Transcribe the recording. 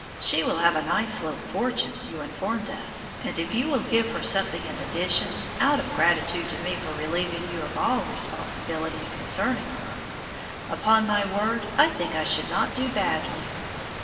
She will have a nice little fortune, you informed us, and if you will give her something in addition, out of gratitude to me for relieving you of all responsibility concerning her, upon my word I think I should not do badly!"